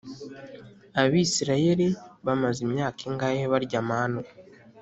Abisirayeli bamaze imyaka ingahe barya manu